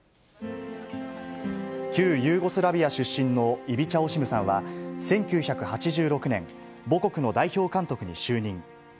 旧ユーゴスラビア出身のイビチャ・オシムさんは、１９８６年、母国の代表監督に就任。